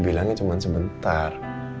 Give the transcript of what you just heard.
bilangnya cuma sebentar